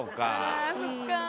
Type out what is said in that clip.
あそっか。